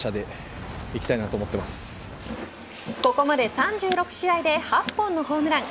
ここまで３６試合で８本のホームラン。